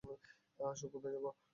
আসো -কোথায় যাব?